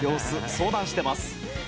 相談してます。